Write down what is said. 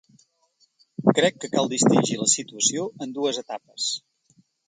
Crec que cal distingir la situació en dues etapes.